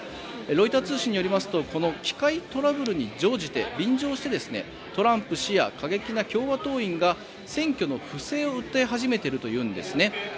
ロイター通信によりますとこの機械トラブルに便乗してトランプ氏や過激な共和党員が選挙の不正を訴え始めているというんですね。